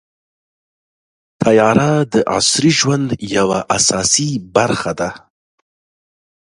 طیاره د عصري ژوند یوه اساسي برخه ده.